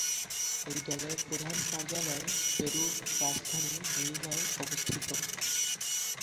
এই দলের প্রধান কার্যালয় পেরুর রাজধানী লিমায় অবস্থিত।